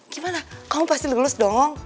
gimana kamu pasti lulus dong